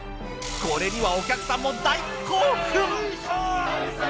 これにはお客さんも大興奮！！